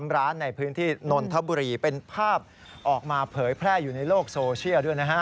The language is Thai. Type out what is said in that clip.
ร้านในพื้นที่นนทบุรีเป็นภาพออกมาเผยแพร่อยู่ในโลกโซเชียลด้วยนะฮะ